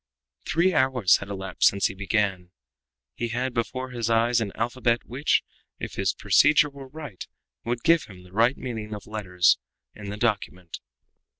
Three hours had elapsed since he began. He had before his eyes an alphabet which, if his procedure were right, would give him the right meaning of the letters in the document.